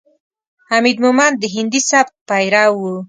حمید مومند د هندي سبک پیرو ؤ.